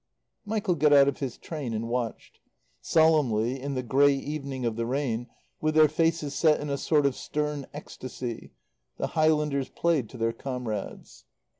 Michael got out of his train and watched. Solemnly, in the grey evening of the rain, with their faces set in a sort of stern esctasy, the Highlanders played to their comrades.